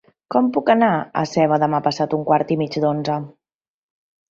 Com puc anar a Seva demà passat a un quart i mig d'onze?